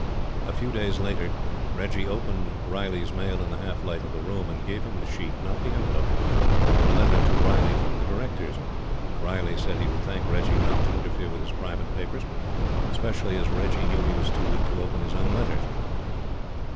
A few days later, Reggie opened Riley's mail in the half light of the room, and gave him the sheet not the envelope of a letter to Riley from the Directors. Riley said he would thank Reggie not to interfere with his private papers, specially as Reggie knew he was too weak to open his own letters.